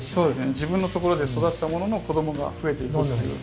自分のところで育てたものの子供がふえていくっていう。